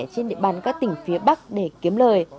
trên địa bàn các tỉnh phía bắc để kiếm lời